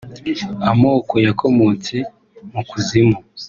Amoko yakomotse mu kuzimu